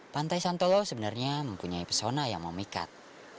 pantai santolo sebenarnya mempunyai pesona yang memikat